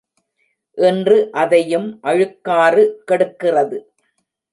இன்று அதையும் அழுக்காறு கெடுக்கிறது.